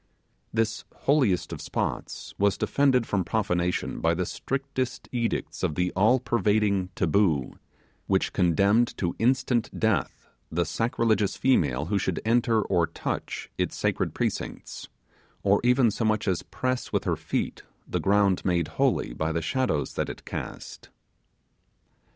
This holiest of spots was defended from profanation by the strictest edicts of the all pervading 'taboo', which condemned to instant death the sacrilegious female who should enter or touch its sacred precincts, or even so much as press with her feet the ground made holy by the shadows that it cast.